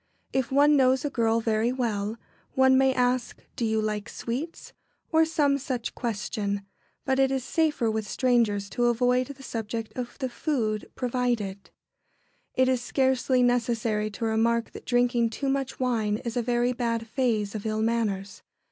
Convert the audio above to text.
If one knows a girl very well, one may ask, "Do you like sweets?" or some such question, but it is safer with strangers to avoid the subject of the food provided. [Sidenote: Moderation in wines.] It is scarcely necessary to remark that drinking too much wine is a very bad phase of ill manners.